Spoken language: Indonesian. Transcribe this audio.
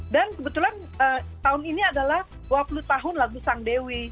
dan kebetulan tahun ini adalah dua puluh tahun lagu sang dewi